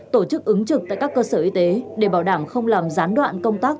tổ chức ứng trực tại các cơ sở y tế để bảo đảm không làm gián đoạn công tác